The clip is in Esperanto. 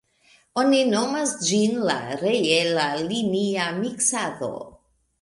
Oni nomas ĝin la reela-linia miksado.